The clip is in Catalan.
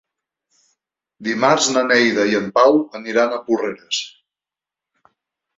Dimarts na Neida i en Pau aniran a Porreres.